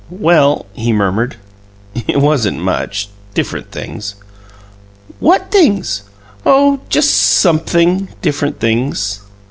"Well," he murmured, "it wasn't much. Different things." "What things?" "Oh, just sumpthing. Different things."